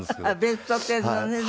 『ベストテン』のね。